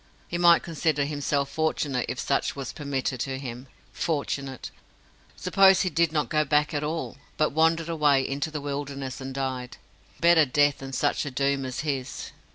He might consider himself fortunate if such was permitted to him. Fortunate! Suppose he did not go back at all, but wandered away into the wilderness and died? Better death than such a doom as his.